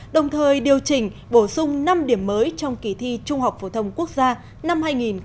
đồng thời điều chỉnh bổ sung năm điểm mới trong kỳ thi trung học phổ thông quốc gia năm hai nghìn một mươi tám